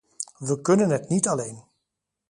We kunnen het niet alleen.